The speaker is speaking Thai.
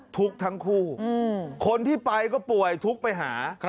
ทุกข์ทั้งคู่คนที่ไปก็ป่วยทุกข์ไปหา